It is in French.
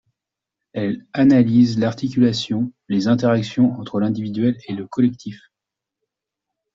Elle analyse l’articulation, les interactions entre l’individuel et le collectif.